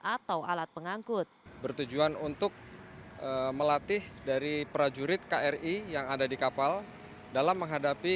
atau alat pengangkut bertujuan untuk melatih dari prajurit kri yang ada di kapal dalam menghadapi